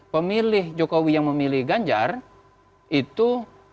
pemilih jokowi yang memilih ganjar itu